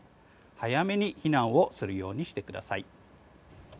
早めに避難をするようにしてください。